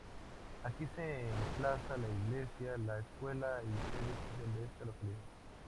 Aquí se emplaza la iglesia, la escuela y sede social de esta localidad.